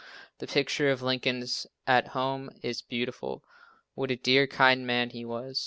The picture of "Lincoln at home" is beautiful. What a dear, kind man he was.